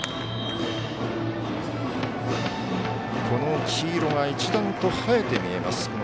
この黄色が一段と映えて見えます